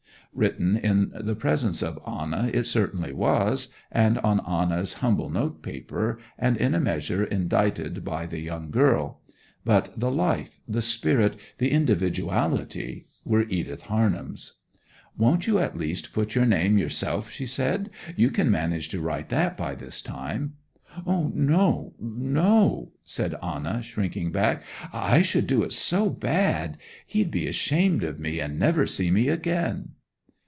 Written in the presence of Anna it certainly was, and on Anna's humble note paper, and in a measure indited by the young girl; but the life, the spirit, the individuality, were Edith Harnham's. 'Won't you at least put your name yourself?' she said. 'You can manage to write that by this time?' 'No, no,' said Anna, shrinking back. 'I should do it so bad. He'd be ashamed of me, and never see me again!